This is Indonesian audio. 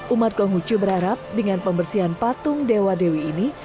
umat konghucu berharap dengan pembersihan patung dewa dewi ini